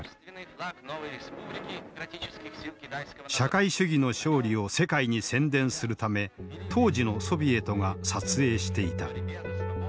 社会主義の勝利を世界に宣伝するため当時のソビエトが撮影していた。